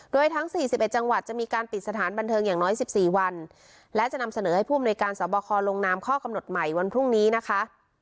โดยทั้ง๔๑จังหวัดจะมีการปิดสถานบันเทิงอย่างน้อย๑๔วันและจะนำเสนอให้ผู้อำนวยการสอบคอลงนามข้อกำหนดใหม่วันพรุ่งนี้นะคะ